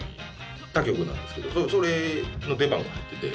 他局なんですけどそれの出番が入ってて。